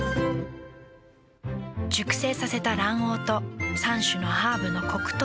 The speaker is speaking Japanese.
熟成させた卵黄と３種のハーブのコクとうま味。